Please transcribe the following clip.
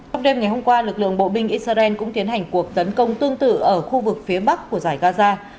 hôm đêm ngày hôm qua lực lượng bộ binh israel cũng tiến hành cuộc tấn công tương tự ở khu vực phía bắc của giải gaza